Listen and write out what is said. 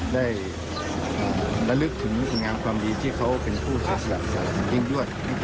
และลึกถึงงามความดีที่เขาเป็นผู้สำหรับสาหรับสัตว์ยิ่งยวด